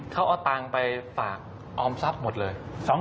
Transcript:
เขาเอาตังค์ไปฝากออมทรัพย์หมดเลย